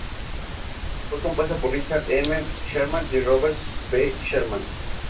Fue compuesta por Richard M. Sherman y Robert B. Sherman.